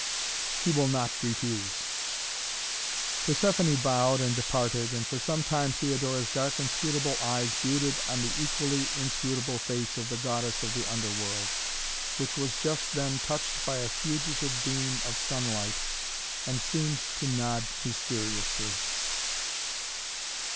"He will not refuse." Persephoné bowed and departed, and for some time Theodora's dark inscrutable eyes brooded on the equally inscrutable face of the goddess of the Underworld, which was just then touched by a fugitive beam of sunlight and seemed to nod mysteriously.